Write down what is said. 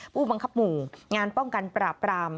ผู้บังคับหมู่งานป้องกันปราบราม